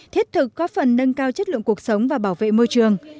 thiết thực có phần nâng cao chất lượng cuộc sống và bảo vệ môi trường